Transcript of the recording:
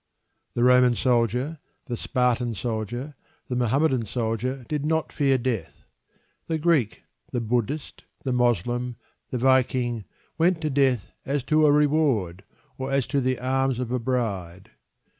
The Roman soldier, the Spartan soldier, the Mohammedan soldier did not fear death. The Greek, the Buddhist, the Moslem, the Viking went to death as to a reward, or as to the arms of a bride.